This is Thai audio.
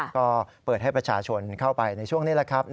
ก็เปิดให้ประชาชนเข้าไปในช่วงนี้แหละครับ